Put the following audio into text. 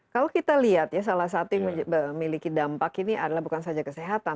kalau kita lihat ya salah satu yang memiliki dampak ini adalah bukan saja kesehatan